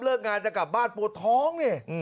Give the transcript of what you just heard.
งานจะกลับบ้านปวดท้องนี่